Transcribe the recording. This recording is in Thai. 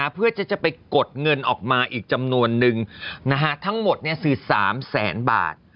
เพื่อจะไปกดเงินออกมาอีกจำนวนนึงทั้งหมดคือ๓แสนบาท